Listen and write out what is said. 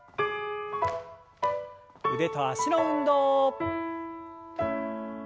腕と脚の運動。